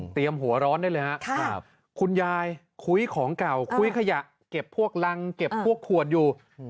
หัวร้อนได้เลยครับคุณยายคุ้ยของเก่าคุ้ยขยะเก็บพวกรังเก็บพวกขวดอยู่